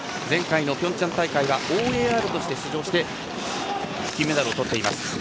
前回のピョンチャン大会はＯＡＲとして参加して金メダルをとっています。